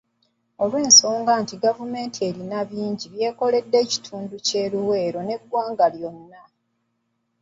Olw'ensonga nti gavumenti erina bingi by'ekoledde ekitundu ky'e Luweero n'eggwanga lyonna.